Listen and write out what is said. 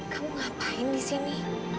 kamu ngapain disini